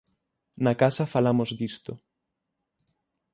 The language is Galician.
Na casa falamos disto.